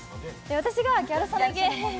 私が「ギャル曽根ゲーム！